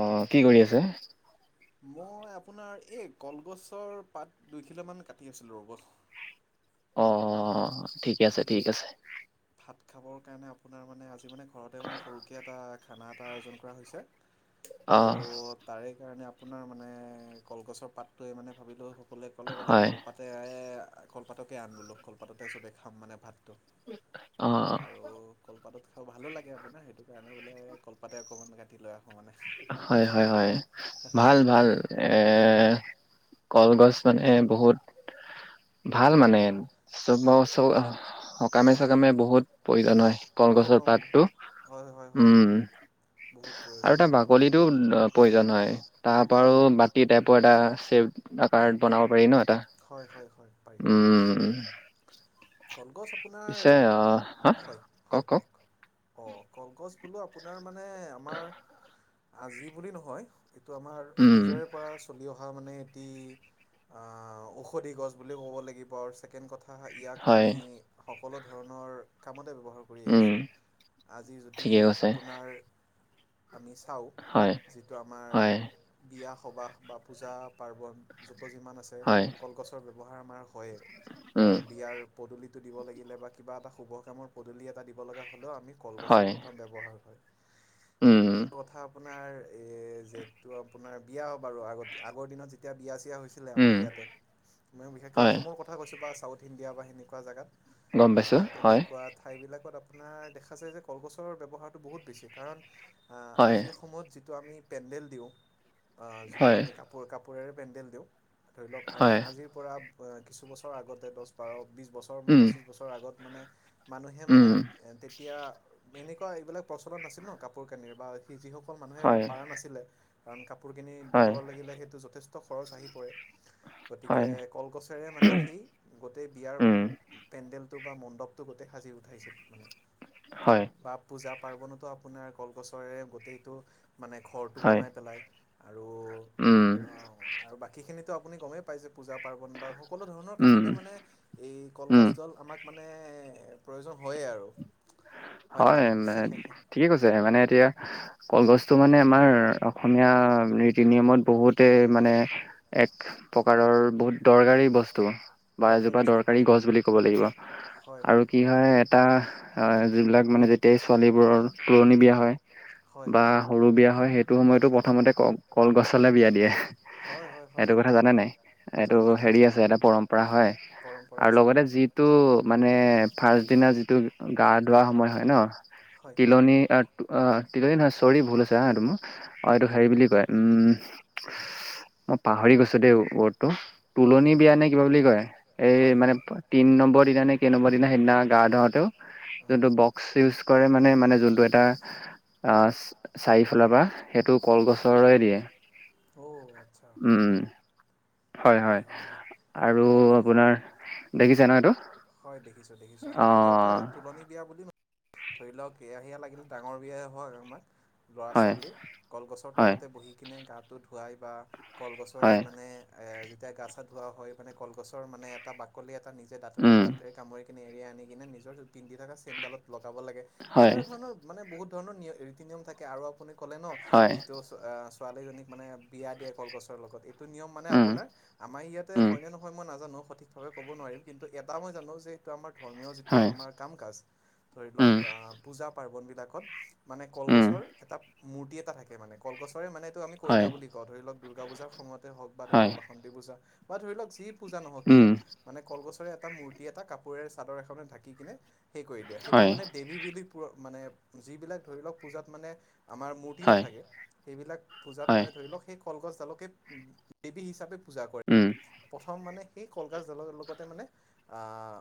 অ কি কৰি আছে মই আপোনাৰ এই কলগছৰ পাত দুই কিলোান কাটি আছিলোঁ ৰ'ব অ অ অ ঠিকে আছে এই ঠিক আছে ভাত খাবৰ কাৰণে আপোনাৰ মানে আজি মানে ঘৰতে মানে সৰুকৈ এটা খানাত এটা আয়োজন কৰা হৈছে অ ত' তাৰে কাৰণে আপোনাৰ মানে কলগছৰ পাতটোৱে মানে ভাবিলোও সকলোৱে ক'লে বোলে কল হয় কলপাতে কলপাতকে আন গলোঁ কলপাততে চবেই খাম মানে ভাতটো অহ আৰু কলপাতত খাও ভালো লাগে আপোনাৰ সেইটো কাৰণে বোলে কলপাতে অকণমান কাটি লৈ আহোঁ মানে হয় হয় হয় ভাল ভাল এ কলগছ মানে বহুত ভাল মানে চব সকামে চকামে বহুত প্ৰয়োজন হয় কলগছৰ পাকতটো হয় হয় হয় উম বহুত আৰু প্ৰয়োজন এটা হয় বাক আপোনাৰ প্ৰয়োজন হয় তাৰ হয় পৰাা কি টাইপৰ এটা ছেভ কাৰ্ড বনাব পাৰি ন এটা হয় হয় হয় পাৰি উম কলগছ পিছে আহ হা আপোনাৰ হয় হয় কওক অঁ কলগছ বোলো আপোনাৰ মানে আমাৰ আজি বুলি নহয় এইটো আমাৰ উম অতীজৰে পৰা চলি অহা কথা মানে এটি ঔষধি গছ বুলিুলও ক'ব লাগিব আৰু ছেকেণ্ড কথা ইয়াক হয় আমি সকলো ধৰণৰ কামাৰ দেখি উম আহিছোঁ আজি যদি ঠিকে কৈছে আপোনাৰ আমি চাওঁ হয় যিটো আমাৰ হয় বিয়া সবাহ বা পূজা পাৰ্বণ য'ত যিমান আছে হয়, কলগছৰ ব্যৱহাৰ আমাৰ হয় উম, কাৰণ বিয়াৰ পদূলিটো দিব লাগিলে বা কিবা এটা শুভ কামৰ পদুলি এটা দিব লগা হ'লেও আমি কলগছৰ হয়, প্ৰথম ব্যৱহাৰ হয় উম, কথা আপোনাৰ এ যিহেতু আপোনাৰ বিয়া বাৰু আগত আগৰ দিনত এতিয়া বিয়া চিয়া হৈছিলে আমাৰ উম, ইয়াতে মই বিশেষকৈ হয়, অসমৰ কথা কৈছোঁ বা চাউথ ইণ্ডিয়া বা সেনেকুৱা জেগাত গম পাইছোঁ, হয়, তেনেকুৱা ঠাইবিলাকত আপোনাৰ দেখা যায় যে কলগছৰ ব্যৱহাৰটো বহুত বেছি কাৰণ হয়, আজিৰ সময়ত যিটো আমি পেণ্ডেল দিওঁ যিটো হয়, আমি কাপোৰ কাপোৰেৰে পেণ্ডেল দিওঁ ধৰি লওক আগ হয়, আজিৰ পৰা কিছু বছৰ আগতে দহ বাৰ বিছ বছৰ উম, পঁচিছ বছৰ আগত মানে মানুহে মানে উম, তেতিয়া এনেকুৱা এইবিলাক প্ৰচলন নছিল ন কাপোৰ কানিৰ বা সি যিসকল মানুহে হয়, পাৰা নাছিলে কাৰণ কাপোৰ কিনি দি হয়, ল'ব লাগিলে সেইটো যথেষ্ট খৰচ আহি পৰে হয়, গতিকে কলগছেৰে মানে সেই গোটেই বিয়াৰ উম, পেণ্ডেলটো বা মণ্ডপটো গোটেই সাজি উঠাইছিল মানে হয় বা পূজা পাৰ্বণতো আপোনাৰ কলগছৰে গোটেইটো মানে ঘৰটো হয়, বনাই পেলাই আৰু উম, আৰু বাকীখিনিতো আপুনি গমেই পাইছে পূজা পাৰ্বন বা সকলো ধৰণৰ উম, কামতে মানে এই উম, কলগছ দল আমাক মানে প্ৰয়োজন হয়েই আৰু হয়নে হয় নহয় ঠিকে কৈছে মানে এতিয়া কলগছটো মানে আমাৰ অসমীয়া ৰীতি নিয়মত বহুতে মানে এক প্ৰকাৰৰ বহুত দৰকাৰী বস্তু বা এজোপা বস্তু দৰকাৰী হয় গছ বুলি ক'ব লাগিব আৰু কি হয় এটা যিবিলাক মানে যেতিয়া এই ছোৱালীবোৰৰ তুলনি বিয়া হয় হয় বা হয় সৰু বিয়া হয় সেইটো সময়তো বাহ প্ৰথমতে ক কলগছলে বিয়া দিয়ে হয় হয় এইটো হয় কথা জানে নাই এইটো জানো জানো হেৰি জানো আছে এটা পৰম্পৰা হয় পৰম্পৰা আৰু আছে লগতে হয় যিটো মানে ফাৰ্ষ্ট দিনা যিটো গাত ধোৱা সময় হয় ন হয় তিলনী তিলনি নহয় চৰি ভুল আছে হা এইটো অ এইটো অঁ হেৰি বুলি কয় উম মই পাহৰি গৈছো দেই ৱৰ্ডটো তুলনি হয় বিয়া নে কিবা বুলি কয়। এই হয় মানে হয় পা তিন নম্বৰ দিনা নে কেইনম্বৰ দিনা সেইদিনা গা ধুৱাওঁতেও হয় যোনটো বক্স ইউজ কৰে মানে মানে যোনটো এটা আ, চ-চাৰিফলা বাঁহ। সেইটো হয় কলগছৰৰে দিয়ে, অ' আচ্ছা উম। হয় হয়, আৰু আপোনাৰ হয় দেখিছে ন এইটো? হয় দেখিছোঁ দেখিছোঁ আমাৰ ইয়াতে অ' তুলনি বিয়া বুলি ধৰি লওক কেয়হীয়া লাগিল ডাঙৰ বিয়া হয় আমাৰ ল'ৰা হয়, ছোৱালী, কলগছৰ হয়, তলতে বহি কিনে গাটো ধুৱাই বা কলগছৰে হয়, মানে এ যেতিয়া গা চা ধুৱা হয় মানে কলগছৰ মানে এটা বাকলি এটা নিজে দাঁতৰে উম, দাঁতেৰে কামুৰি নেৰি আনি কিনে নিজৰ পিন্ধি থকা চেনডালত লগাব লাগে, হয়, সেনেধৰণৰ মানে বহুত ধৰণৰ নিয় ৰীতি নিয়ম থাকে আৰু আপুনি ক'লে ন, হয়, যিটো অ ছোৱালীজনীক মানে বিয়া দিয়ে কলগছৰ লগত টো নিয়ম মানে উম, আপোনাৰ আমাৰ ইয়াতে উম, হয়নে নহয় মই নাজানো সঠিক ক'ব নোৱাৰিম কিন্তু এটা মই জানো যে এইটো আমাৰ ধৰ্মীয় যিটো হয়, আমাৰ কাম কাজ ধৰি লওক উম, পূজা পাৰ্বণবিলাকত মানে উম, কলগছৰ এটা মূৰ্তি এটা থাকে মানে কলগছৰে মানে এইটো আমি হয়, কইনা বুলি কও ধৰি লওক দুূৰ্গা পূজাৰ সময়তে হওক বা ধৰি হয়, লওক বাসন্তি পূজা বা ধৰি লওক যি পূজা নহওক উম, কিয় মানে কলগছৰে এটা মূৰ্তি এটা কাপোৰে চাদৰ এখনে ঢাকি কিনে সেই কৰি দিয়ে সেইটো হয়, মানে দেৱী বুলি [unintelligible] মানে যিবিলাক ধৰি লোৱা পূজাত মানে আমাৰ মূ [unintelligible] হয়, নাথাকে সেইবিলাক পূজাত হয়, মানে ধৰি লওঁক সেই কলগছডালকে দেবী হিচাপে পূজা কৰে উম, প্ৰথম মানে সেই কলগছডালৰ লগতে মানে, অ'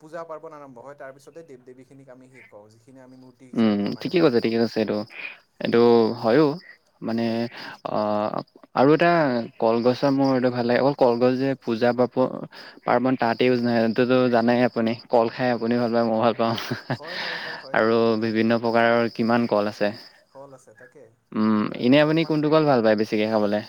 পূজা পাৰ্বণ আৰম্ভ হয় তাৰপিছতে দেৱ দেৱীখিনিক আমি শেষ কৰো যিখিন আমি মূ উম, ঠিকে কৈছে ঠিকে কৈছে এইটো এইটো হয়ো মানে হয় অ' আৰু এটা কলগছৰ মোৰ এইটো ভাল লাগে অকল কলগছ যে পূজা [unintelligible] পাৰ্বণ তাতে ইউজ নহয় [unintelligible] হয় জানেই আপুনি কল খাই হয় আপুনি ভাল পায় মই ভাল পাওঁ হয় হয় হয় হয় আৰু হয় [unintelligible] কিমান কল আছে, হল আছে তাকে উম' এনে কওঁ আপুনি মানে কোনটো কল ভাল পায় বেছিকে খাবলৈ।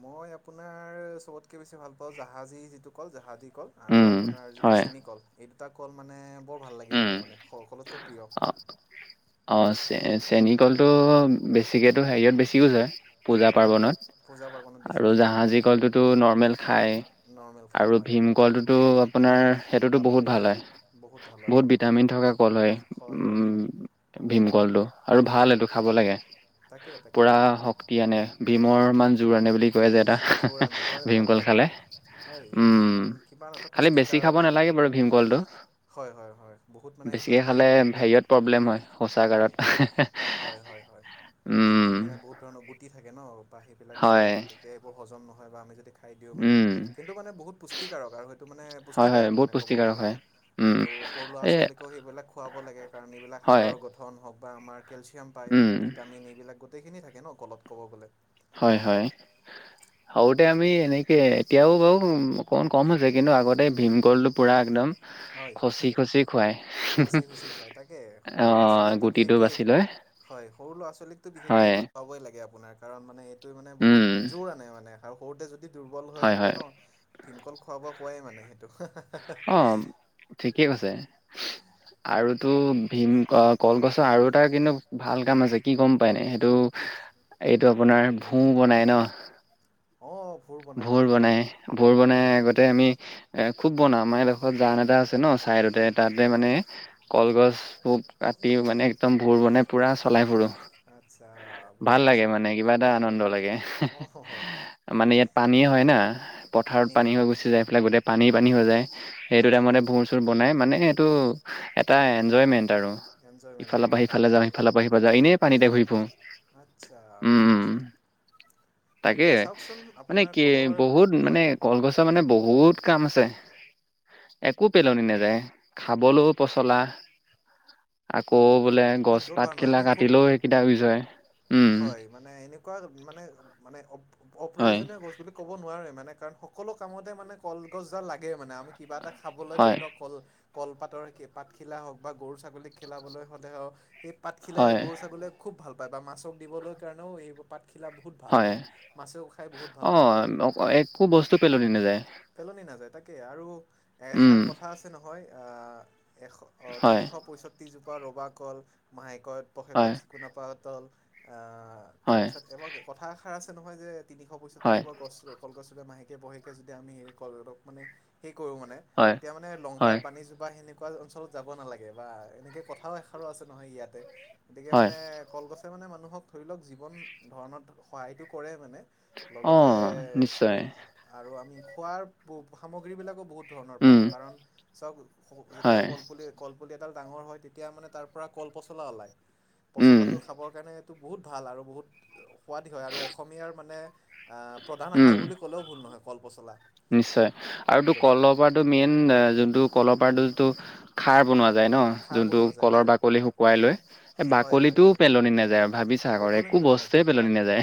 মই আপোনাৰ চবতকৈ বেছি ভাল পাওঁ জাহাজী যিটো কল জাহাজী কল। আৰু উম, আপোনাৰ যিটো হয়। চেনী কল এই দুটা কল মানে বৰ ভাল লাগে উম, মোৰ মানে সকলোতকৈ প্ৰিয়। অ', অ' চে চেনী কলটো বেছিকেতো হেৰিয়ত বেছি ইউজ হয়। পূজা হয় পাৰ্বণত, পূজা পাৰ্বণত বেছি আৰু বিশেষকৈ জাহাজী কলটোতো নৰ্মেল খায়। নৰ্মেল খাই হয়। কোৱালিটোটো আপোনাৰ সেইটোতো বাপৰে বহুত ভাল হয়। ভাল হয় বহুত সেইটো ভিটামিন থকা কল হয় হয় উম, হয় ভীমকলটো। আৰু ভাল ভীমকল এইটো খাব লাগে, তাকে তাকে পুৰা শক্তি আনে ভীমৰ মান জোৰ আনে বুলি কৈ যে এটা জোৰ আনে হয় হয় ভীমকল হয় খালে। হয় উম, কিমান কিমান এটা খালি বেছি পুষ্টিকাৰ খাব নালাগে বাৰু ভীমকলটো। হয় হয় হয়। বহুত মানে বেছিকে সেইটোত হাই খালে প্ৰট হেৰিয়ত প্ৰ প্ৰব্লেম হয় হয়, শৌচাগাৰত। হয় হয় হয়। উম, সেইটোত মানে বহুত ধৰণৰ গুটি থাকে ন বা সেইবিলাক থাকে হয়, গতিকে সেইবোৰ হজম নহয় বা আমি যদি খা খাই দিওঁ মানে উম, কিন্তু মানে বহুত পুষ্টিকাৰক আৰু সেইটো মানে হয়, হয়, পুষ্টিদায়ক বহুত মানে ক'ব পুষ্টিকাৰক গ'লে। হয়। উম, আৰু সৰু ল'ৰা এ ছোৱালীকে সেইবিলাক খোৱাব লাগে কাৰণ এইবিলাক হয়, হাড়াৰ গঠ [unintelligible] হওঁক বা আমাৰ কেলচিয়াম পায় উম, ভিটামিন এইবিলাক গোটেইখিনি থাকে ন কলত ক'ব গ'লে। হয় হয়। [unintelligible] সৰুতে আমি এনেকৈ এতিয়াও বাৰু অকণমান কম হৈছে কিন্তু আগতে ভীমকলটো পুৰা একদম হয় খচি খচি খুৱাই, খচি খচি খুৱাই তাকে সৰু অ, ল'ৰা ছোৱালীকতো গুটিটো বিশেষকৈ এইটো বাচি লয়। হয় সৰু ল'ৰা ছোৱালীকটো বিশেষকে এইটো পাবই লাগে আপোনাৰ কাৰণ মানে এইটোয়ে মানে উম, বহুত জোৰ আনে মানে সৰুতে যদি দুৰ্বল হৈ হয়, থাকে হয়, ন ভীমকল খোৱাব কোৱাই মানে সেইটো। অ, ঠিকেই কৈছে। আৰুতো ভীম কলগছৰ আৰু এটা কিন্তু ভাল কাম আছে কি গম পাই নে এইটো কি এইটো আপোনাৰ ভো বনাই ন। অ', অ, ভোৰ বনাই, ভোৰ বনাই আগতে আমি। এ খুব বনাওঁ আমাৰ এডোখৰত জান এটা আছে ন চাইডতে হয় তাতে হয় মানে কলগছবোক কাটি মানে একদম ভোৰ বনাই পূৰা চলাই ফুৰো। আচ্ছা ভাল বঢ়িয়া লাগে আচোন মানে কিবা এটা ভাল আনন্দ লাগে। অ মানে ইয়াত পানীয়ে হয় না পথাৰত পানী হৈ গুচি যায় সেইফালে গোটেই পানী পানী হৈ যায়। হয় সেইটো হয় টাইমতে হয় ভোৰ চোৰ বনাই মানে এইটো এটা এনজয়মেন্ট আৰু। এনজয়মেণ্ট ন ইফালৰ পৰা সিফালে তাকে যাওঁ সিফালৰ পৰা সিফালে যাওঁ এনেই পানীতে ঘূৰি ফুৰো। আচ্ছা উম বঢ়িয়া উম। চোন, তাকে চাওঁকচোন মানে কি বহুত মানে কলগছৰ মানে বহুত কাম আছে। একো পেলনি নাযায় খাবলৈও পচলা আকৌ বোলে গছ য'ত পাত পাৰ নহয় আমি কিলাও খুব কাটিলেও সেইকেইটা ইউজ হয়। উম হয়, মানে এনেকুৱা মানে মানে হয় অপ্ৰয়োজনীয় বস্তু। বুলি ক'ব নোৱাৰে মানে কাৰণ সকলো কামতে মানে কলগছডাল লাগে মানে আমি কিবা এটা। খাবলৈ ধৰি হয় লওঁক কল কলপাতৰ পাতখিলা হওঁক বা গৰু ছাগলীক খেলাবলৈ হ'লেও। এই পাতখিলাই হয় গৰু ছাগলীয়ে খুব ভাল পায় বা মাছক দিবলৈ কাৰণেও এইবোৰ পাতখিলা। বহুত ভাল মানে মাছেও খাই বহুত ভাল পায়। এক। একো বস্তু পেলনি নাযায়। পেলনি নাযায় তাকেই আৰু উম এষাৰ কথা আছে নহয়, আহ। এশ হয় তিনিশ পয়ষষ্ঠ্ৰিজোপা ৰুবা কল মাহেকত হয় পশেকত। কোনপাতল হয় তাৰপিছত এবাৰ কথা এষাৰ আছে নহয় যে। তিনিশ পঁয়ষষ্ঠি হয় ৰুপ গছ কলগছদি মাহেকৈ বহেকৈ যদি আমি সে কল মানে হে কৰোঁ মানে। হয় তেতিয়া মানে হয় লংকাৰ বাানিজোপা সেনেকুৱা। এনেকুৱা অঞ্চলত যাব নালাগে বা এনেকে কথাও এষাৰ আছে নহয় ইয়াতে গতিকে হয় মানে কলগছ। মানে মানুহক ধৰি লওঁক জীৱন ধৰণৰ সহায়টো কৰে মানে। অ লগতে নিশ্চয় আৰু আমি খোৱাৰ সামগ্ৰীবিলাকো বহুত। ধৰণৰ উম পাওঁ কাৰণ চাওঁক যেতিয়া হয় কল পুলি। কলপুলি এডাল ডাঙৰ হয় তেতিয়া মানে তাৰ পৰাৰা কল পচলা ওলায়। উম পচলাটো খাবৰ কাৰণে, টো বহুত ভাল আৰু বহুত সোৱাদ হয় আৰু অসমীয়াৰ মানে আ, প্ৰধান আহাৰ উম বুলি ক'লেও ভুল নহয়, কল পচলা। নিশ্চয় আৰু টো গতি কলৰ পৰাটো মেইন, যোনটো কল পৰাটো টো খাৰ বনোৱা যায় ন খাৰ যোনটো বনোৱা যায় কলৰ হয় বাকলি শুকুৱাই লৈ, সেই হয় হয় বাকলিটো হয় পেলনি নাযায় আৰু ভাবিছা কৰে বেকলে একো নিব বস্তুৱে নাযায় পেলনি তাক নাযায়,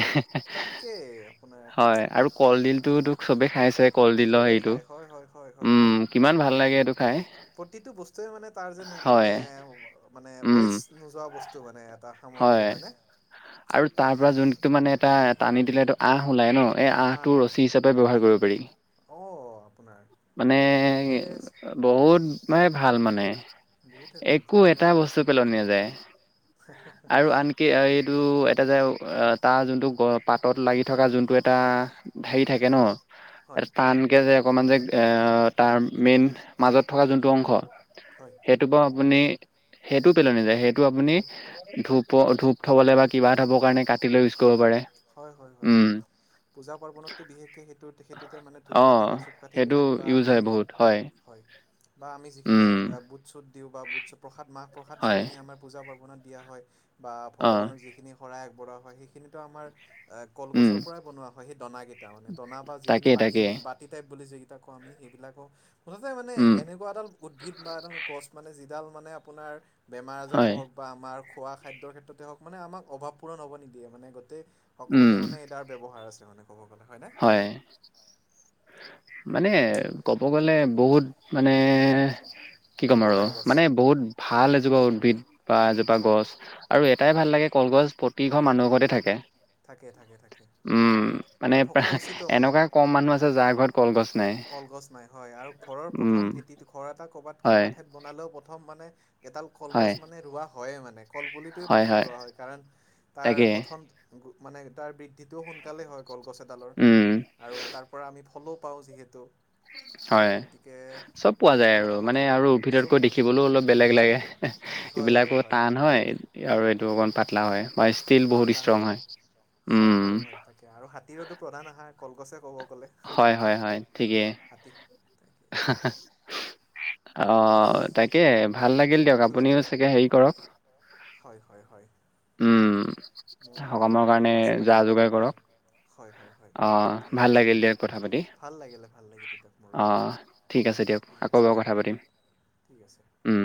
তাকেই আপোনাৰ হয় আৰু কলডিলটো টো চবেই খাইছে। কলডিলৰ চবেই হেইটো খায় হয় হয় হয় হয় হয় উম, কিমান ভাল লাগে এইটো খাই। প্ৰতিটো বস্তুৱে মানে তাৰ যেন মানে, হয় মানে উম ৱেষ্ট নোযোৱা বস্তু মানে এটা সামগ্ৰী হয় হয়নে? আৰু তাৰ পৰা যোনটো মানে এটা টানি দিলে এইটো আহ ওলাই ন' এই আহ আঁহটো হ'লা ৰছী হিচাপে ব্যৱহাৰ কৰিব পাৰি। অঁ আপোনাৰ মানে, তাকে বহুত ম ভাল মানে। বহুতেই ভাল একো তাকে এটা বস্তু পেলনি নাযায় আৰু আনকি এই যটো এটা যে তাৰ যোনটো গ পাতত লাগি থকা যোনটো এটা হেই থাকে ন', হয় এটা টান কে যে অকণমান যে, তাৰ মেইন মাজত থকা যোনটো অংশ হয়। সেইটোৰপা আপুনি, সেইটোও পেলনিযায় সেইটো আপুনি একদম ধূপ ধূপ। থ'বলে বা কিবা থ'বৰ কাৰণে কাটি লৈ ইউজ হয় কৰিব পাৰে, হয় হয় হয় উম। পূজা পাৰ্বণতটো বিশেষকৈ সেইটো সেইটোতে মানে অ ধূপকাঠি বা সেইটো চুপকাঠিবিলাক বা ইউজ আমি হয় বহুত হয়, বা আমি যিখিনি উম বুট চুট দিওঁ বা বুট চুট প্ৰসাদ মাহ প্ৰসাদ হয় যিখিনি আমাৰ পূজা পাৰ্বণত দিয়া হয় বা অ ভগৱানক যিখিনি শৰাই আগবঢ়োৱা হয় সেইখিনিতো আমাৰ উম কলগছৰ পৰাই বনোৱা হয় সেই দনাকেইটা মানে দনা বা যিখিনি তাকেই বাতি তাকেই [unintelligible] বুলি যিকেইটা কওঁ আমি সেইবিলাকো মুঠতে মানে উম এনেকুৱা এডাল উদ্ভিদ বা এডাল গছ মানে যিডাল মানে আপোনাৰ, বেমাৰ আজাৰে হয় হওঁক বা আমাৰ খোৱা খাদ্যৰ ক্ষেত্ৰতে হওঁক, মানে আমাক অভাৱ পূৰণ হ'ব নিদিয়ে, মানে গোটেই উম সকলোতে মানে তাৰ ব্যৱহাৰ আছে মানে ক'ব গ'লে, হয় নে? হয়, মানে ক'ব গ'লে বহুত মানে কি ক'ম আৰু উপকাৰী গছ মানে বহুত ভাল এজোপা উদ্ভিদ। পা এজোপা হয় গছ আৰু হয় এটাই ভাল লাগে - কলগছ, প্ৰতি ঘৰ মানুহৰ ঘৰতে থাকে। থাকে, থাকে, থাকে, উম মানে আৰু থক এনেকুৱা কম মানুহ আছে, যাৰ ঘৰত কলগছ নাই। কলগছ নাই হয় আৰু ঘৰৰ উম প্ৰথম ভেটিটো, ঘৰ এটা ক'বাত হয় কোনবা ঠাইত বনালেও, প্ৰথম মানে এডাল হয় কলগছ মানে ৰুৱা হয়ে মানে। কলপুলিটোৱে প্ৰথম ৰোৱা হয়। কাৰণ, তাৰ তাকে গঠন মানে তাৰ বৃদ্ধিটোও সোনকালেই হয় কলগছ এডালৰ। উম আৰু তাৰ পৰা আমি ফলো পাওঁ যিহেতু, হয় গতিকে চব পোৱা যায় সকলো আৰু কামত মানে আৰু চব উদ্ভিদতকৈ পোৱা যায় দেখিবলৈও অলপ বেলেগ লাগে। হয় হয় এইবিলাকো টান হয় আৰু এইটো অকণ পাতলা হয় [unintelligible] ষ্টীল বহুত ষ্ট্ৰং হয়। হয় উম। হয় হয় তাকে আৰু হাতীৰতো প্ৰধান আহাৰ কলগছে, ক'ব গ'লে হয়, হয়, হয়, ঠিকেই। হাতী তাকে অ' তাকেই, ভাল লাগিল দিয়ক। ভাল লাগিলে আপুনিও চাগে হেৰি কৰক হয়, হয়, হয়। উম। মোক সকামৰ আপোনাৰ কাৰণে খানা চানা যা খাব যোগাৰ হয় কৰক। হয় হয় হয় তাকে আহ ভাল লাগিল দিয়ক কথা পাতি, ভাল লাগিলে ভাল লাগিলে দিয়ক মোৰো হয় আহ। ঠিক আছে দিয়ক, ঠিক আকৌ আছে বাৰু কথা দিয়ক পাতিম। ঠিক আছে। উম।